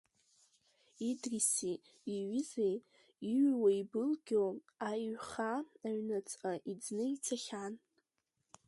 Идриси иҩызеи иҩуа ибылгьо аиҩхаа аҩныҵҟа иӡны ицахьан.